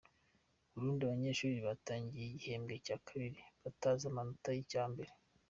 Burundi Abanyeshuri batangiye igihembwe cya kabiri batazi amanota y’icya mbere